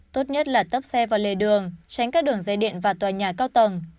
tốt nhất là tấp xe vào lề đường tránh các đường dây điện và tòa nhà cao tầng